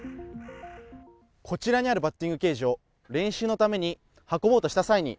こちらにあるバッティングケージを練習のために運ぼうとした際に